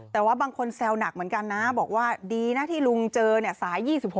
แต่ว่าบางคนแซวหนักเหมือนกันนะบอกว่าดีนะที่ลุงเจอสาย๒๖